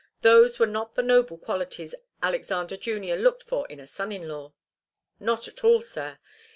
Those were not the noble qualities Alexander Junior looked for in a son in law. Not at all, sir.